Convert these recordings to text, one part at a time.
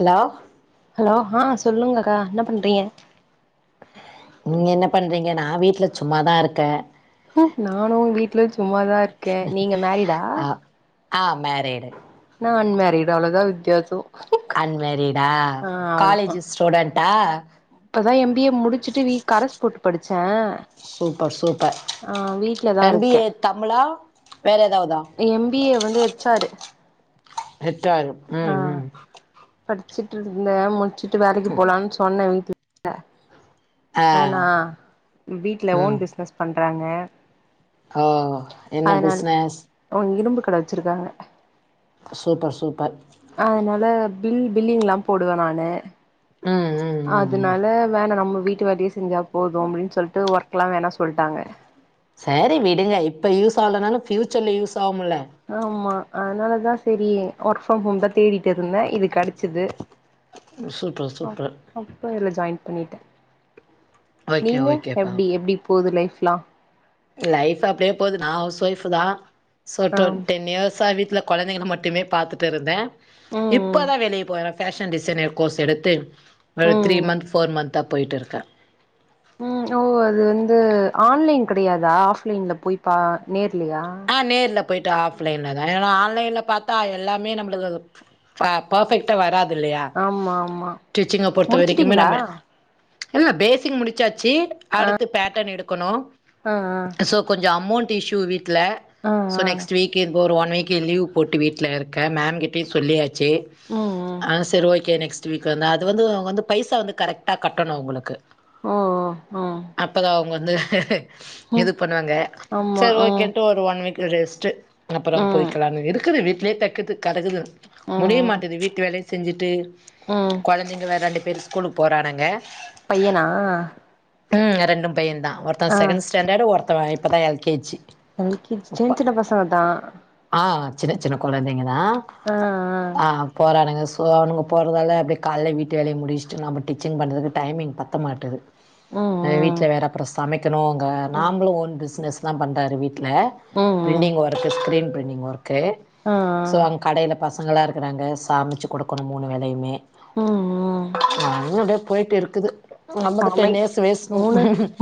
hello hello ஆ சொல்லுங்கக்கா என்ன பண்றீங்க நீங்க என்ன பண்றீங்க நா வீட்ல சும்மாதா இருக்கே நானு வீட்ல சும்மாதா இருக்கே நீங்க மேரிடா அ மேரீடு நா அன்மேரீடு அவ்ளோதா வித்தியாசோ அன்மேரீடா ஆ அவ்ளோதா காலேஜ் ஸ்டூடெண்ட்டா இப்பதா எம் பி ஏ முடிச்சுட்டு வீட் கரஸ் போட்டு படிச்சே சூப்பர் சூப்பர் அ வீட்லதா எம் பி இருக்கே ஏ தமிழா வேற ஏதாவதா எம் பி ஏ வந்து எச்சாரு ஹேச் ஆரு ம் ம் படிச்சுட்டு இருந்தே முடிச்சுட்டு வேலைக்கு போலான்னு சொன்னே வீட்ல ஆ நானா வீட்ல ம் ஓன் பிஸ்னஸ் பண்றாங்க ஓ என்ன அதனால் பிஸ்னஸ் ஓ இரும்பு கட வச்சுருக்காங்க சூப்பர் சூப்பர் பில் பில்லிங்லா போடுவே நானு ம் ம் ம் ம் அதுனால வேணா நம்ம வீட்டு வாட்டியே செஞ்சா போதும் அப்டின்னு சொல்ட்டு ஒர்க் எல்லா வேணா சொல்ட்டாங்க சேரி விடுங்க இப்ப யூஸ் ஆலன்னாலு ப்யூச்சர்ல யூஸ் ஆவும் இல்ல ஆமா அதனாலதா செரி ஒர்க் ஃப்ரம் ஹோம் தா தேடிட்டு இருந்தே இது கெடச்சது சூப்பர் சூப்பர் ஜாயின் பண்ணிட்டே ஓகே நீங்க ஓகேப்பா எப்டி எப்டி போது லைஃப்ல்லா லைஃப் அப்டியே போது நா ஹவுஸ் ஒய்ஃப் தா சோ ஆ டொன் டென் இயர்ஸ்சா வீட் ல கொழந்தைகள மட்டுமே பாத்துட்டு இருந்தே ம் இப்பதா வேலய போறே பேஷன் டிசைனர் கோர்ஸ் எடுத்து ஒரு ம் த்ரீ மந்த் ஃபோர் மந்த்தா போயிட்டு இருக்கே ம் ஓ இது வந்து ஆன்லைன் கெடையாதா ஆஃப்லைன்ல போய்ப்பா நேர் ல்லையா போய்ட்டு ஆஃப்லைன்ல தா ஆன்லைன்ல பாத்தா எல்லாமே நம்ளுக்கு ப பாஃபக்ட்டா வராது இல்லையா ஆமா ஆமா டிச்சிங்க பொறுத்த வரைக்கும்மே முடிச்சுட்டீங்களா நம்ம இல்ல பேசிங் முடிச்சாச்சு அடுத்து பேட்டன் எடுக்கணு ஆ ஆ சோ கொஞ்சோ அமௌண்ட் டு இஷ்யூ வீட்ல ஆ சோ ஆ நெக்ஸ்ட் வீக் இருக்கு ஒரு ஒன் வீக் கே லீவ் போட்டு வீட்ல இருக்கே மேம் கிட்டயு சொல்லியாச்சு ம் ம் அ செரி ஓகே நெக்ஸ் டு வீக் வந்து அது வந்து அவங்க வந்து பைசா வந்து கரெக்டா கட்டணு அங்களுக்கு ஓ ஓ ம் வந்து ம் இது பண்ணுவாங்க ஆமா செரி ம் ஓகேன்ட்டு ஒரு ஒன் வீக் ரெஸ்ட் அப்றோ ம் போய்கலாம்ன்னு இருக்குது வீட்டிலயே தக்கதுக்கு கெடக்குது ம் முடிய ம் மாட்டுது வீட்டு வேலையு செஞ்சுட்டு ம் கொழந்தைங்க வேற அனுப் பேர் ஸ்கூலு போறானுங்க பையனா ம் ரெண்டு பைய தா ஒருத்தன் ஆ செகண்ட் ஸ்டேண்டடு ஒருத்தவன் இப்பதா L K G L K G இப்ப சின்னச்சின்ன பசங்க தா ஆ சின்ன சின்ன குழந்தைங்க தா ஆ ஆ போறானுங்க ஸ் இப்ப நம்ம போற வேல அப்டியே காலையிலே வீட்டு வேலையு முடிச்சுட்டு நாம்ம டிச்சிங் பண்றதுக்கு டைமிங் பத்த மாட்டுது ஆ ம் வீட்ல வேற அப்றோ சமைக்கணு அங்க ம் நாம்ளும் ஓன் பிசினஸ் தா பண்றாரு வீட் ல ம் ம் ம் printing work screen printing work ஆ ஆ சோ அங்க கடையில பசங்கல்லா இருக்கறாங்க சாமச்சிக் குடுக்கணு மூணு வேலையுமே ம் ம் போயிட்டுருக்குது நம்மக்கு சமை டென் இயர்ஸ் வேஸ்ட் மூணு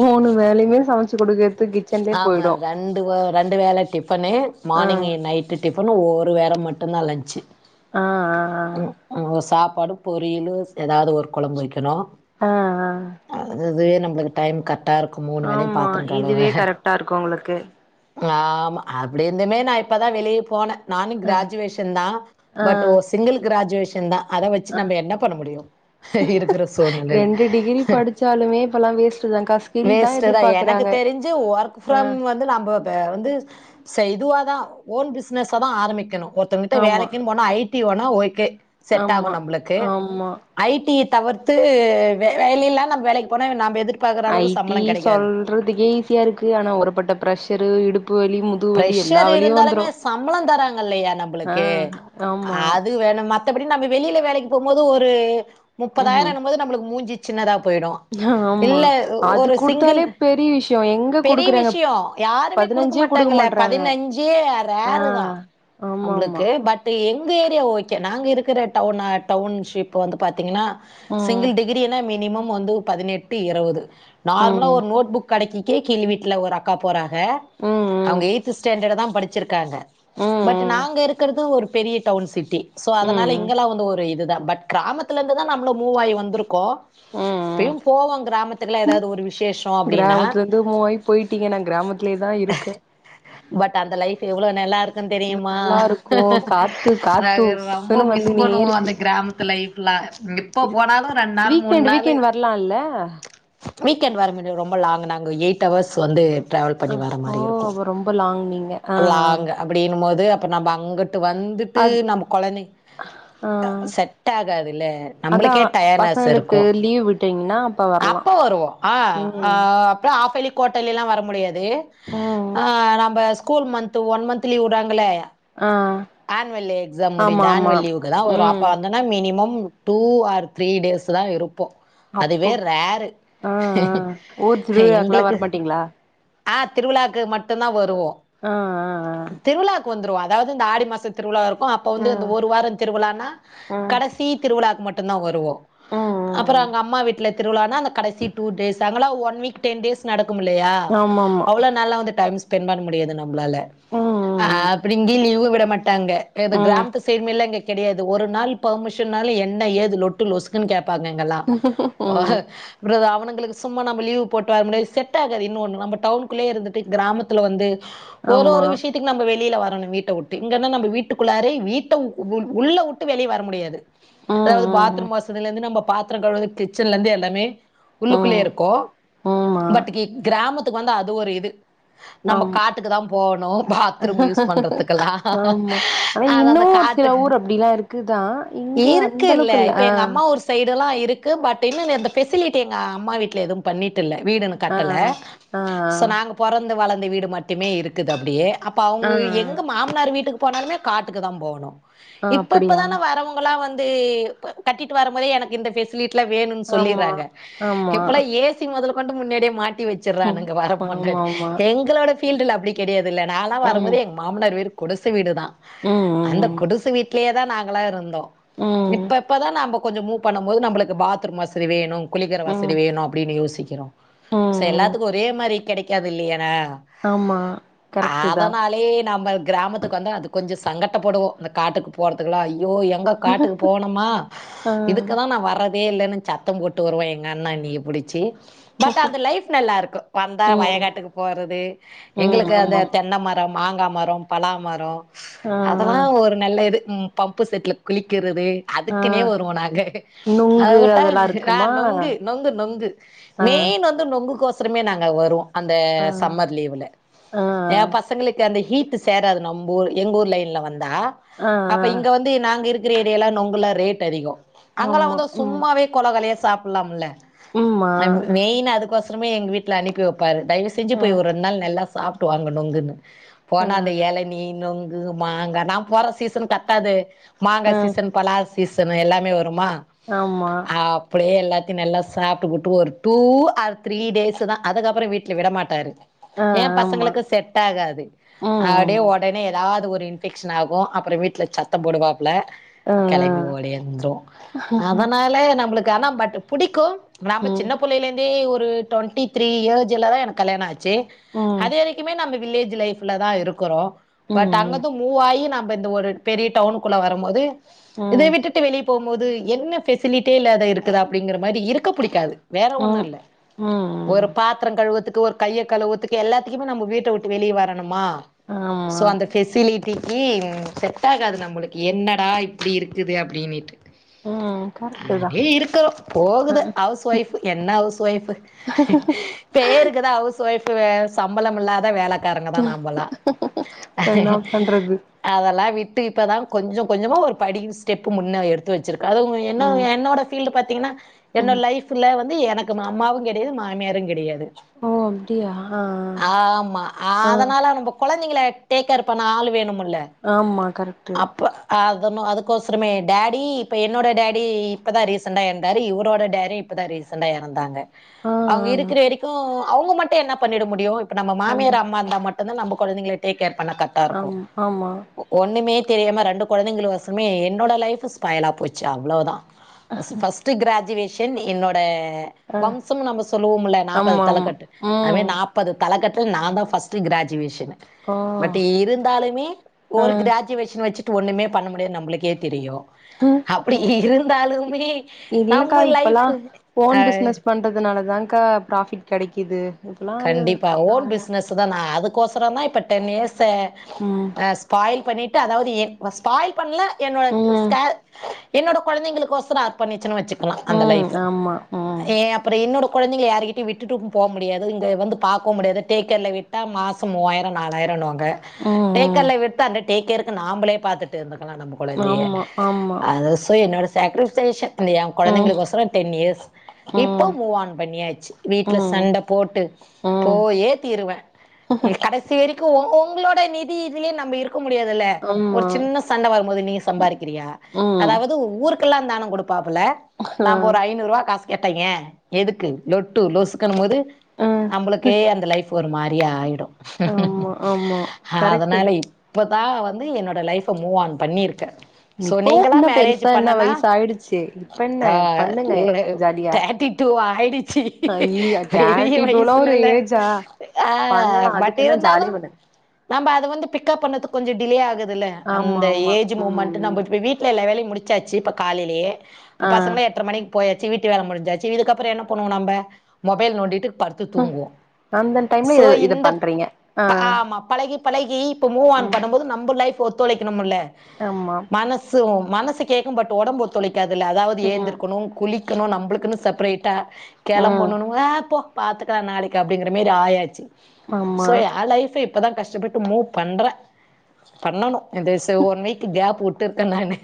மூணு வேலையுமே சமைச்சு குடுக்கறது கிச்சன்லே ஆமா போயிடு ரெண்டு ரெண்டு வேலை டிஃபன்னு ஆ மார்னிங் நைட்டு டிஃபன் ஒரு வேல மட்டுந்தா லஞ்ச்சு ஆ ஆ ஆ பருப் பொரியலு ஏதாவது ஒரு கொழம்பு வைக்கணு ஆ ஆ அதுவே நம்மளுக்கு டைம் கரெக்டாக இருக்கு மூணு வேலையு பாத்திர கழுவ ட்டா இருங்கவங்களுக்கு ஆமாம் அப்டி இருந்துமே நா இப்போ தா வெளிய போனே நானு ஆ கிராஜுவேஷன் தா ஆ பட்டு ஓ சிங்கிள் கிராஜுவேஷன் தா அத வச்சி ஆ நம்ம என்ன பண்ண முடியு இருக்கிற சூழ்நிலையில ரெண்டு டிகிரி படிச்சாலுமே இப்பல்லா வேஸ்ட்டு தான்க்கா ஸ்கில் வேஸ்ட்டு தா எனக்கு எதிர்பாக்கறாங்க தெரிஞ்சு ஒர்க் ஆ ஃப்ரம் வந்து நம் பே வந்து செய் இதுவாக தா ஓன் பிசினஸ்ஸாதா ஆரம்பிக்கணு ஒருத்தவங்க கிட்ட ஆமா வேலைக்குன் போனா ஐ டி போனா ஓகே செட் ஆகு ஆமா நம்மளுக்கு ஆமா ஐ டி தவிர்த்து வேளல்லா நம்ம வேலைக்கு போன நாம் எது ஐ டி சொல்றதுக்கே ஈஸியா இருக்கு ஆனா உருப்பட்ட ப்ரஷரு இடு பிரஷர் இருந்தாலுமே சம்பளம் தராங்கல்லையா ஆ நம்மளுக்கு ஆமா அது வேணும்மா மத்தபடி நம்ம வெளியில வேலைக்கு போகும் போது ஒரு ம் முப்பதாயிரனும் போது நம்மளுக்கு மூஞ்சி சின்னதா போயிடு ஆமா இல்ல அது ஒரு சிங்கிள் குடுத்தாலே பெரிய விஷயோ எங்க பெரிய குடுக்குறாங்க விஷயோ யாருமே குடுக்க பதினஞ்சே மாட் டாங்கள்ள மாட்றாங்க பதினஞ்சே ஆ ரேரு தா ஆமா ஆமா நம்மளுக்கு பட் எங் எங்க ஏரியா ஓகே நாங்க இருக்கிற டவுன்னா டவுன்ஷிப் வந்து பா்த்தீங்கன்னா ம் சிங்கிள் டிகிரின மினிமம் வந்து பதினெட்டு இருவது நார்மலா ம் ஒரு நோட்புக் கடைக்கி க்கே கீழ் வீட்டல ஒரு அக்கா போறாக ம் படிச்சிருக்காங்க ம் பட் ம் நாங்க இருக்கிறது ஒரு பெரிய டவுன் சிட்டி சோ அதனால ம் இங்கெல்லா வந்து ஒரு இதுதா பட் கிராமத்துல இருந்துதா நம்மல்லா மூவ்வாகி வந்திருக்கோ ம் இப்பையும் போவோ கிராமத்துல ஏதாவது ஒரு விசேஷ அப்படின்னா கிராமத்துல இருந்து மூவாயி போயிட்டீங்க நா கிராமத்துலயே தா இருக்கே பட் அந்த லைஃப் எவ்ளோ நல்லாருக் க்கு தெரியுமா நல்லா இருக்கு காத்து காத்து ரொம்ப உஸ்ஸுன்னு மிஸ் வந்துனே பண்ணுவோ இருக்கு அந்த கிராமத்து லைப் இப்ப போனாலு ரெண் நாள் மூண் வீக்கெண்ட் நாள்ளு வீக்கெண்ட் வரலால்ல வீக்கெண்ட் வர மாரி ரொம்ப லாங் நாங்க எயிட்ஹவர்ஸ் வந்து ட்ராவல் பண்ணி வர ஓ மாரி இருக்கு அப்ப ரொம்ப லாங் நீங்க ஆ லாங் அப்படின்னும் போது அப்ப நம்ம அங்கட்டு ஆ வந்துட்டு அத் நம்ம கொழந்தைங் ஆ செட் ஆகாதுல்ல அதா நம்மளுக்கே டைனெஸ் பசங்களுக்கு இருக்கு லீவ் விட்டீங்கன்னா வரலா அப்ப வருவோ ஆ ஆ ம் அப்புற ஆப்பெலி கோட்டேலில்லா வர முடியாது ம் ஆ நம்ம school month one month leave விடுறாங்கள்ள ஆ ஆனுவல்ல எக்ஸாம் முடிஞ்ச ஆமா ஆமா ஆனல் லீவுக்கு தா வரு அப்ப ம் வந்தனா minimum two or three days தா இருப் போ அப்போ அதுவே ரேரு ஆ ஆ ஊர் திருவிழாக்கெல்லா எங்களுக்கு வரமாட்டீங்களா ஆ திருவிழாக்கு மட்டுந்தா வருவோ ஆ ஆ ஆ திருவிழாக்கு வந்துருவோ அதாவது இந்த ஆடி மாச திருவிழா இருக்கு அப்ப ஆ வந்து ஒரு வார திருவிழானா ஆ கடைசி திருவிழாக்கு மட் டுந்தா வருவோ அப்புற ம் அங்க அம்மா வீட்ல திருவிழானா அந்த கடைசி டூ டேஸ் அங்கல்லா ஒன் வீக் டன் டேஸ் நடக் கும்மில்லையா ம் அவ்ளோ நாள்ளா வந்து டைம் ஸ்பென் பண்ண முடியாது நம் மளால ஆ ம் அப்படிங்க லீவு விட மாட்டாங்க கிராமத்து சேர்மல்லங்க கெடையாது ஒரு நாள் பெர்மிஷன்னாலு என்ன ஏது லொட்டு லொசுக்குன்னு கேப் பாங்க இங்கல்லா ம் அவனுங்க ளுக்கு சும்மா நம்ம லீவ் போட்டு வரமுடியாது செட் ஆகாது இன்னொன்னு நம்ம டவுனுக்குள்ளே இருந்துட்டு கிராமத்தில வந்து ஆமா ஒரு ஆமா ஒரு விஷயத்துக்கு நம்ம வெளியில வர றனு வீட்ட விட்டு இங்கன்னா நம்ம வீட்டுக்குள்ளாரே வீட்ட உ உள்ள விட்டு வெளியே வர முடியாது அதாவது ம் ம் ம் ம் ஆமா ம் ம் பாத்ரூம் வசதில இருந்து நம்ப பாத்ரோ கழுவற கிச்சன்லருந்து எல்லாமே உள்ளுக்குள்ளயே ம் இருக்கு ம் ஆமா பட் கிராமத்துக்கு வந்தா அது ஒரு இது நமக் ஆமா காட்டுக்கு தா போணு பாத்ரூம் யூஸ் பண்றதுகல்லா ஆமா ஆனா அது இன்னு அந்த ஒரு சில காட்டுகு ஊர் அப்டிலா இருக்குதா இங்க அந்த இருக்குல்ல அளவுக்கு இல்ல இப்ப ஆ எங்க அம்மா ஊரு சைடுலா இரு இருக்கு பட் இன்னு இந்த ஃபெசிலிட்டி எங்க அம்மா வீட்ல எதுவும் பண்ணிட் டுல்ல வீடின்னு ஆ கட்டல ஆ சோ நாங்க போறந்து வளந்த வீடு மட்டுமே இருக்குது அப்டியே அப்ப அவுங்க ஆ ஆ வீ எங்க மாம்னார் வீட்டுக்கு போனாலுமே காட்டுக்குதா போவணு ஆ இப்ப அப்டியா இப்பதான வரவுங்களா வந்து கட்டிட்டு வரம்போதே எனக்கு இந்த ஃபெசிலிட் டிலா வேணூன் ஆமா சொல்லிறாங்க ஆமா இப்பலா ஏசி மொதல் கொண்டு முன்னாடியே மாட் டி ம் வெச்சர்றானுங்க வர ஆமா பொண்டாட்டி எங்களோட ஃபீல்டுல அப்டி கடையாதுல்ல நாலா ஆமா வரம்போது எங்க மாம்னார் விருப் குடுச வீடுதா ம் அந்த ம் குடுச வீட்லயேதா நாங்களா இருந்தோ ம் ம் இப்ப இப்பதா நம்ப கொஞ்சோ மூவ் பண்ணு போது நம்புளுக்கு பாத்ரூம் வசதி வேணு குளிக்கற ம் ம் வசதி வேணு அப்டினு யோசிக்கறோ சோ ம் எல்லாத்துக்கு ஒரே மாரி கடைக்காது இல்லையனா ஆமா கரெக்ட்டு தா அதனாலயே நம்ப கிராமத்துக்கு வந்தா அது கொஞ்சோ சங்கட்டபடுவோ அந்த காட்டுக்கு போறதுக்கலா அய் யோ எங்க காட்டுக்கு போனமா ஆ இதுக்குதா நா வர பே இல்லன்னு சத்தோ போட்டு வருவா எங்க அண்ணா என்னிய புடிச்சு பட் அந்த லைஃப் நல்லாருக்கு வந்தா ம் வயகாட்டுக்கு போறது ம் எங்குளுக்கு அந்த ஆமாம் தென்ன மரொ மாங்கா மரொ பலாமரொ ஆ அதல்லா ஒரு நல்ல இது ம் பம்பு செட்ல குளிக்கற து ஆ ஆ அதுக்குனே வருவோ நாங்க நுங்கு அதவுட்ட அதெல்லா ஆ இருக்குமா நொங்கு ஆ நொங்கு நொங்கு மெயின் வந்து நொங்குக்கோசொ துருமே நாங்க வருவோ அந்த ஆ சம்மர் லீவ்ல ஆ எ பசங்களுக்கு அந்த ஹீட்டு சேராது நம்ப ஊர் எங்க ஊர் லைன்ல வந்தா ஆ அப்ப ஆ இங்க வந்து நாங்க இருக் இருக்குற ஏரியாலா நொங்குலா ரேட்டு அதிகோ அங்காலா ஆமா வந்து ம் சும்மாவே கொலகொலயா சாப்புல்லாம்ல ம்மா மெயின்னு அதுக்கோசரமே எங்க வீட்ல அனுப்பி வெப்பாரு தய்வு செஞ்சு அ போய் ஒரு ரெண்நாள் எல்லா சாப்டுவாங்க நொங்குனு அ போனா அந்த ஏளநீ நொங் மாங்கா நா போற சீசன் கர்டாது மாங்கா அ சீசன் பலா சீசன் எல்லாமே வருமா ஆமா அப்டியே எல்லாத் நல்லா சாப்டுபுட்டு ஒரு டூ ஆர் த்ரீ டேஸ்தா அதுகப்புறோ வீட்ல விட மாட்டாரு அ எ ஆமா பசங்களுக்கு செட் ஆகாது ம் அப்டியே ம் உடனே ஏதாது ஒரு இன்ஃபெக்ஷன் ஆகு அப்புறோ வீட்ல சத்தோ போடுவாங் புள அ அ களம்ப ஓடி வந்துருவோ அதனால நம்ளுக்கு ஆனா பட் புடிக்கு நம்ப ம் சின்ன புள்ளைல இருந்தே ஒரு டுவெண்டி த்ரீ ஏஜுலதா எனக் கல்யணொ ஆச்சு ம் அது வரிக்குமே நம்ம வில்லேஜ் லைஃப்லதா இருக்குறோ ம் பட் ம் அங்கந்து மூவாயி நம் ப இந்த ஒரு பெரிய டவுனுக்குள்ள வரம்போது இத ம் விட்டுட்டு வெளிய போகும்மோது என்ன ஃபெசிலிடியே இல்லாத இருக்குது அப்டிங்கற மாரி இருக்க புடிகாது வேற ஒன்னு ம் இல்ல ம் ஒரு பாத்தரோ கழுவத்துக் கு ஒரு கைய கழுவுத்துக்கு எல்லாத்துக்குமே நம்ம வீட்ட விட்டு வெளியே வரணுமா சோ ஆமா அந்த ஃபெசிலிட்டி ஈ செட் ஆகாது நம்முளுக்கு என்னடா இப்டி இருக்குது அப்டினிட்டு ஆ அப்டியே இருக்குறோ போகுது ஹவுஸ் ஒய்ஃப் என்ன ஹவுஸ் ஒய்ஃப்பு பே பேருக்குதா ஹவுஸ் ஒய்ஃப் சம்பளம் இல்லாத வேல காரங்கதா நமலா அப்றோ என்னா பண்றது அதெல்லா விட் இப்பதா கொஞ்சோ கொஞ்சோமா ஒரு படி ஸ்டெப்பு முன்ன எடுத்து வெச்சுருகோ அதும் என்னோ ம் என்னோட ஃபீல்டூ பத் தீங்னா என்னோ ம் லைஃப்ல வந்து எனக்கு அம்மாவு கெடையாது மாமியாரு கெடையாது ஓ அப்டி ஆமா அதனால நம்ப கொழந்தைங்கள டேக்கேர் பண்ணா ஆளு வேணும் ல ஆமா கரெக்ட்டு அப்ப அ அதுக்கோசரமே டேடி இப்ப என்னோட டேடி இப்பதா ரீசண்டா எறந்தாரு இவரோட டேடி இப்பதா ரீ ரீசண்டா எறந்தாங்க ஆ அவுங்க ஆ இருக்கிற வெரிக்கு என்ன பண்ணிட முடியு இப்ப நம்ம ஆமா மாமியாரு அம்மா இருந்தா மட்டுந்தா நம்ப கொழந்திங்க டேக் கார் பண்ணா கர்ட்டாருக்கு ஆம் ஆமா ஒ ஒண்ணுமே தெரியாம ரெண்டு கொழந்தைங்கள் ஓசமே என்னோட லைஃபு ஸ்பைலா போச்சு அவ்ளோதா ஃபஸ்ஸு ஃபஸ்ட்டு க்ராஜுவேஷன் என்னோட அ வம்சம் நம்ம சொல்லுவோமுல்ல நாப்பது ஆமா ஆமா தலக்கட்டு ம் அத்மாரி நாப்பது தலக்கட் டு நா தா ஃபஸ்ட்டு க்ராஜுவேஷனு ஓ பட் இருந்தாலுமே அ ஒரு க்ராஜுவேஷன் வெச்சுட் டு ஒன்னுமே பண்ண முடியாத்ன் நம்புளுக்கே தெரியு உ அப்டி ம் இருந்தாலுமே இல்லக்கா நம்ம லைஃப் இப்பல்லா ஓன் அ பிஸ்னஸ் பண்றதுனாலதான் க்கா ப்ராஃபிட் கெடைக்கிது கண்டிப்பா ஓன் பிஸ்னஸு தா நா அதுக் கோசரோ தா இப்ப டென் இயர்ஸு ம் அ ஸ்பாயில் பண்ணிட்டு அதாவது எப் ஸ்பாயில் பண்ல எனக்கு ம் ஸ்டா என்னோட கொழந்திங்களுக்கோசரோ அர்ப்பண்ணிச்சன் வெச் பில்லா அந்த ம் லைஃபு ஆமா ம் எ அப்புற என்னோட கொழந்திங்ள யாருகிட்யு விட்டுட்டு ம் போவ் முடியாது இங்க வந்து பாக்வோ முடியாது டேக்கார்ல விட்டா மாசோ மூவாயிரோ நாலாய்ரோனுவாங் க ம் ம் டேக்கார்ல விட்டு அந்த டேக்காருக்கு நாம்பளே பாத்துட்டு இருந்துக் நல்லா நம்ப கொழந்திய ஆமா ஆமா அதோசோ என்னோட சாக்ரிபேஷன் னு எ ம் ம் கொழந்தைகளுக் ஒசரோ டென் யேர்ஸ் இப்போ ம் மூவான் பண்ணியாச்சு வீட்ல சண்ட போட்டு ம் போயே தீருவே இ கடசி வெரிக் கு உ உங்குளோட நிதி இத்ல்யே நம்ப இருக் க முடியாதுல்ல ஒரு ஆமா சின்ன சண்ட வரும்போது நீ சம்பாறிக்கிறியா ம் அதாவது ஊருக்கெல்லா தானங் குடு ப்பாப்புல ஆ நாம்ப ஒரு ஐநூறுவா காஸ் கேட்டய்யே எதுக்கு லொட்டு லொசுக்குனுமோது ஆ நம்பளுக்கே அந்த லைஃபு ஒரு மாரி ஆயிடு ஆமா ஆமா கரெக்ட்டு அதனால தா இப் நா வந்து என்னோட லைஃப மூவ் ஆன் பண்ணிருக்கே சோ இப்பவு நீங்களா என்ன மேரேஜு பெருசா என்ன பண்ணனா வயசு ஆயிடுச்சு இப்ப என்ன ஆ பண்ணுங்க இல்ல வ உ தேட்டி டூ ஆ ஹய்யிய தே வய்ஸ் இல்லல அ பண்லா பட் அதுக்கென்ன இருந்தாலு ஜாலியா பண்ணு நம்ப அத வந்து பிக்கப் பண்ண துக் கொஞ்சோ டிலே ஆகுதுல்ல ஆமா அந்த ஆமா ஏஜி மூமண்ட்டு ம் நம்ப இப் வி வீட்ல எல்ல வேலயு முடிச் சாச்சு இப்ப காலைலியே ப் ஆ பசங்களு எட்ற மணிக் போயா வீட்டு வேல முடிஞ்சாச்சு இதுக்கப்புற என்ன பண்ணுவோ நம்ப மொபைல் நோண்டிட்டு படுத்து ம் தூங்குவோ அந்த டைம்ல சோ இத இத இந்த பண்றீங்க ஆ ஆமா பழகி பழகி இப்ப மூவான் ம் பண்ணம்போது நம்ப லைஃப் ஒத்துழைக்கணுமுல்ல ஆமா மனசு ம் மனது கேக்கு பட் ஒடம்பு ஒத்துழைக்காதில்ல அதாவது ம் ஏந்திருக்கணு குளிக்கணு நம்புளுக்குனு செப்ரேட்டா ம் கெளம்பனுனு அ போ பாத்துக்கலா நாளைக்கு அப்டிங்கிற மேரி ஆயாச்சு சோ ஆமா எ லைஃபு இப்ழதா கஷ்டப்பட்டு மூவ் பண்றே பண்ணணு த ச இந்த ஒன் வீக்கு கேப் வுட்டுருக்க நானு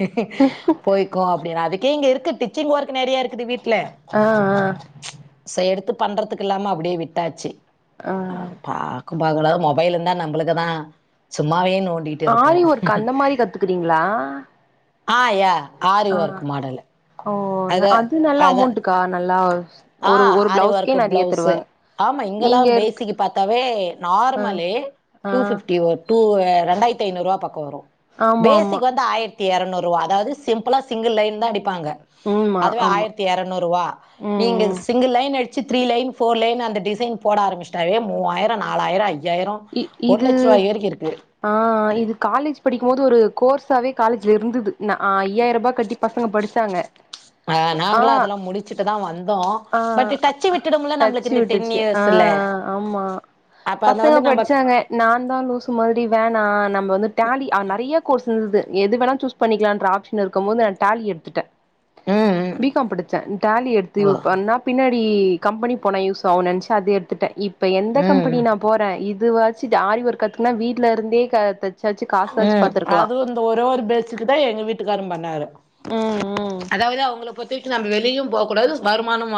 போய்கோ அப்டின் அதுக்கே இங்க இருக்கு டிச்சிங் ஒர்க் நெறிய இரு க்குது வீட்ல ஆ ஆ சோ எடுத்து பண்றதுக்கு இல்லாம அப்பிடே விட்டாச்சி ஆ பாக்கும் பாக்காது மொபைல் இருந்தா நம்பளுக்குதா சும்மாவே நோண்டிட்டு இருப்போ ஆரி ஒர்க்கு அந்த மாரி கத்துக்குறீங்ளா அ யா ஆரி ஒர்க் மாடலு ஓ அத அது நல்ல அத அமௌண்ட்டுக்கா நல்லா அ ஒரு ஒரு ஆரி பிளவுஸ்க்கே ஒர்க்கு நெறைய ப்ளவுஸு தருவாங்க ஆமா இங்கெல்லா நீங்க இருக் பேசிக்கு பாத்தாவே ஆ நார்மலே ஆ டூ ஃபிப்டி ஒ டூ அ ரெண்டாய்ர்த்தி ஐநூறுவா பக்கோ வரு ஆமா ஆமா பேசிக் வந்து ஆய்ர் த்தி எரநூறுவா அதாவது சிம்பிளா சிங்கிள் லைன் தா அடிப்பாங்க ம்மா அதுவே ஆமா ஆய்ர்த்தி எரநூறுவா ம் நீங்க ம் சிங்கிள் லைன் அடிச்சு த்ரீ லைன் ஃபோர் லைன் அந்த டிசன் போட ஆரம்பிஷ்டாவே மூவாயிரோ நாலியிர ஐ இ இது அ இது காலேஜ் படி க்கும் போது ஒரு கோர்ஸாவே காலேஜ்ல இருந்துது ந ஐயாயிருபா கட்டி பசங்க படிச்சாங்க அ ஆ நாங்களு அதெல்லா முடிச்சுட்டுதா வந்தோ ஆ பட்டு டச்சு விட்டுடும்ல நம்ப்ளுக் டச்சு இந்த டென் விட்டுச்சு இயர்ஸுல ஆ ஆமா அப்ப அந் பசங்க படிச்சாங்க நான்தா லூஸு மாரி வேணா நம்ம வந்து டாலி அ நெறய கோர்ஸ் ந்து எது வேணா சூஸ் பண்ணிக்கலான்ற ஆப்ஷன் இருக்கும்போது நா டாலி எடுத்துட்டே ம் ம் பி காம் படிச்சே டாலி எடுத்து ஓ பண்ணா பின்னா ஈ கம்பெனி போனா யூஸ் ஆகுன் நெனச்சு அத எடுத்துட்டே இப்ப எந்த கம்பெனி ம் நா இது வாச்சு ஆரி ஒர்க் கத்துக்குனா வீட்ல இருந்தே கத்து ம் அதுவு இந்த ஒரே ஒரு பேட்சுக்குதா எங்க வீட்டுக்காரரு பண்ணாரு ம் ம் அதாவது அவுங்களப் பொறுத்தவரைக்கு நம்ம வெளியும் போ கூடாது வருமானமு